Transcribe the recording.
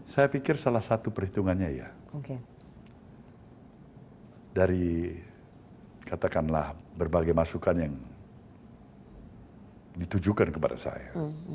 saya pikir salah satu perhitungannya ya dari katakanlah berbagai masukan yang ditujukan kepada saya